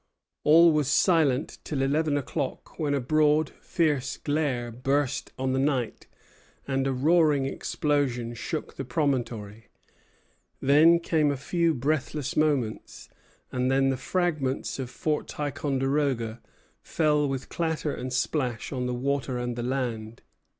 All was silent till eleven o'clock, when a broad, fierce glare burst on the night, and a roaring explosion shook the promontory; then came a few breathless moments, and then the fragments of Fort Ticonderoga fell with clatter and splash on the water and the land.